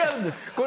これ